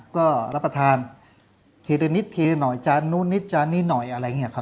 ก็รับประทานทีละนิดทีละหน่อยจานนู้นนิดจานนี้หน่อยอะไรอย่างนี้ครับ